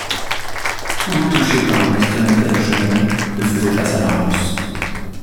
Tous deux touchaient par une extrémité à la cheminée et faisaient face à Marius.